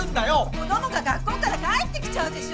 ⁉子どもが学校から帰ってきちゃうでしょ！